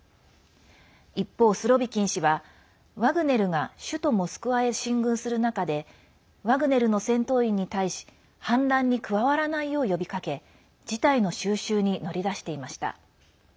一方、スロビキン氏はワグネルが首都モスクワへ進軍する中でワグネルの戦闘員に対し反乱に加わらないよう呼びかけ事態の収拾に乗り出していました。